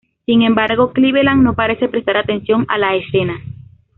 Sin embargo, Cleveland no parece prestar atención a la escena.